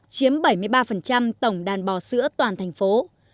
chiếm bảy mươi ba tổng đàn bò sữa toàn thành phố